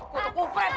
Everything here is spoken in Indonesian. aku tuh kufret banget